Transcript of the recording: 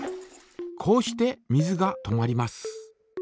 こうして水が止まります。